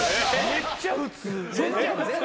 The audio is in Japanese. めっちゃ普通。